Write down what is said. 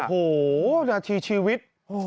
โหหน้าที่ชีวิต